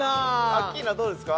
アッキーナどうですか？